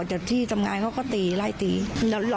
ตอนลุกขึ้นไปคือตัดใจแล้ว